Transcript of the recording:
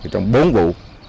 trong bốn vụ